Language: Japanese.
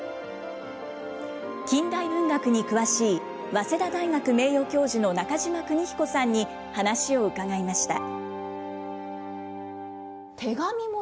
近代文学に詳しい、早稲田大学名誉教授の中島国彦さんに話を伺いました。